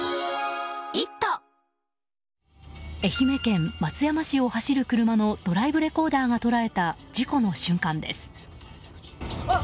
愛媛県松山市を走る車のドライブレコーダーが捉えた事故の瞬間です。